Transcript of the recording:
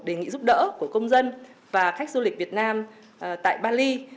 đề nghị giúp đỡ của công dân và khách du lịch việt nam tại bali